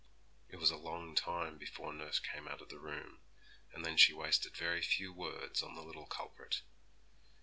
It was a long time before nurse came out of the room, and then she wasted very few words on the little culprit.